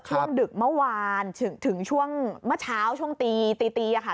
ช่วงดึกเมื่อวานถึงช่วงเมื่อเช้าตี๑๒ค่ะ